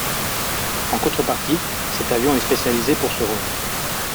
En contrepartie, cet avion est spécialisé pour ce rôle.